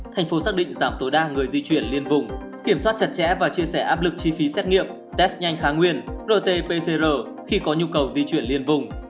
thành phố xác định giảm tối đa người di chuyển liên vùng kiểm soát chặt chẽ và chia sẻ áp lực chi phí xét nghiệm test nhanh kháng nguyên rt pcr khi có nhu cầu di chuyển liên vùng